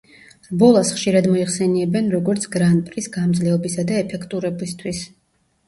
რბოლას ხშირად მოიხსენიებენ როგორც „გრან-პრის გამძლეობისა და ეფექტურობისთვის“.